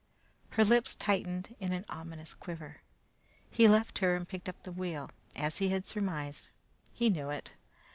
Her lips tightened in an ominous quiver. He left her and picked up the wheel: as he had surmised, he knew it.